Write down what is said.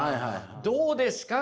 どうですか？